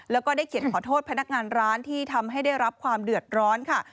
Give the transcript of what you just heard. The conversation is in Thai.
แล้วก็ได้เขียนขอโทษพนักงานร้านที่ทำให้ได้รับความเดือดร้อนค่ะ